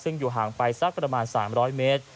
ซึ่งอยู่ห่างไปสักประมาณ๓๐๐เมตร